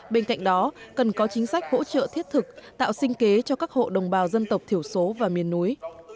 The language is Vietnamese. bên cạnh đó cần có chính sách hỗ trợ thiết thực tạo sinh kế cho các hộ đồng bào dân tộc thiểu số và miền núi